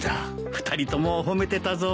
２人とも褒めてたぞ。